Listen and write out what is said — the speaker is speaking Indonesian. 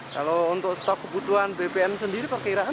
kalau untuk stok kebutuhan bbm sendiri perkiraan